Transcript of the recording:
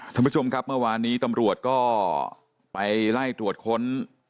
ท่านผู้ชมครับเมื่อวานนี้ตำรวจก็ไปไล่ตรวจค้น